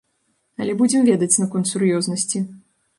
Але будзем ведаць наконт сур'ёзнасці.